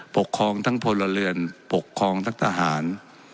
ปกครองทั้งพลเรือนปกครองทั้งทหาร